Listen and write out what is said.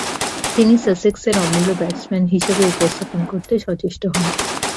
তিনি সাসেক্সের অমূল্য ব্যাটসম্যান হিসেবে উপস্থাপন করতে সচেষ্ট হন।